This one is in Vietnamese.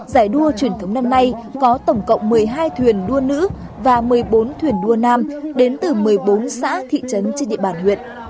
giải đua truyền thống năm nay có tổng cộng một mươi hai thuyền đua nữ và một mươi bốn thuyền đua nam đến từ một mươi bốn xã thị trấn trên địa bàn huyện